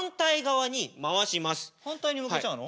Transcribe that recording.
反対に向けちゃうの？